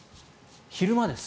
昼間です。